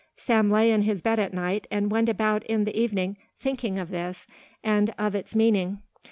Sam lay in his bed at night and went about in the evening thinking of this and of its meaning.